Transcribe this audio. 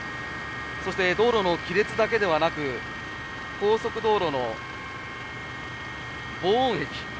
そして道路の亀裂だけではなく高速道路の防音壁